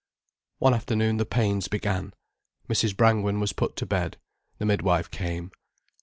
One afternoon, the pains began, Mrs. Brangwen was put to bed, the midwife came.